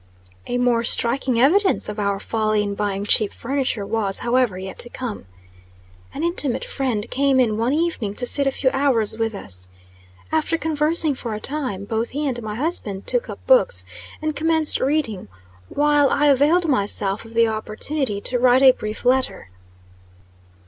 A more striking evidence of our folly in buying cheap furniture was, however, yet to come. An intimate friend came in one evening to sit a few hours with us. After conversing for a time, both he and my husband took up books, and commenced reading, while I availed myself of the opportunity to write a brief letter.